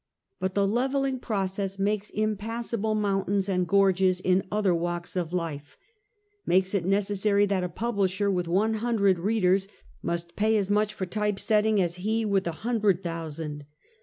But the leveling process makes impassable mountains and gorges in other walks of life — makes it necessary that a publisher with one hundred readers must pay as much for type setting as he with a hundred thousand.